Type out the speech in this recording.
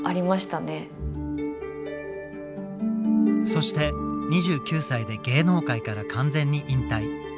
そして２９歳で芸能界から完全に引退。